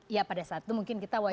ya pada saat itu mungkin kita wajar